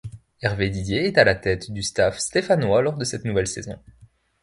Hervé Didier est à la tête du staff stéphanois lors de cette nouvelle saison.